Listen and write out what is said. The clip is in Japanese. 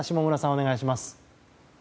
お願いします。